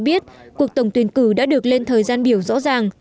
biết cuộc tổng tuyển cử đã được lên thời gian trước